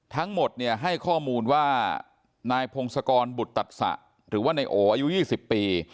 ทั้งหมดเนี่ยให้ข้อมูลว่านายพงศกรบุตตสะหรือว่านายโออายุ๒๐ปี